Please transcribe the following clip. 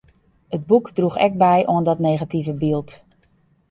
It boek droech ek by oan dat negative byld.